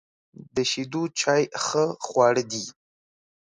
د شیدو چای ښه خواړه دي.